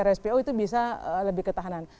rspo itu bisa lebih ketahanan